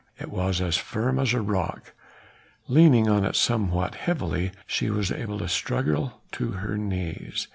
It was as firm as a rock. Leaning on it somewhat heavily she was able to struggle to her knees.